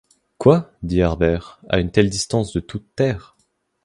Quoi, dit Harbert, à une telle distance de toute terre